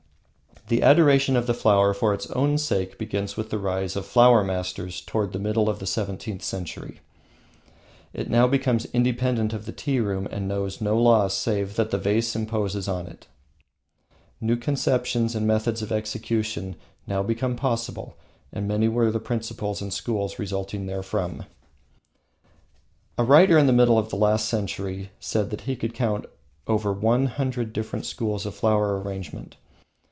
The adoration of the flower for its own sake begins with the rise of "Flower Masters," toward the middle of the seventeenth century. It now becomes independent of the tea room and knows no law save that the vase imposes on it. New conceptions and methods of execution now become possible, and many were the principles and schools resulting therefrom. A writer in the middle of the last century said he could count over one hundred different schools of flower arrangement.